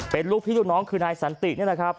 เป็นลูกพี่ลูกน้องคือนายสันตินี่แหละครับ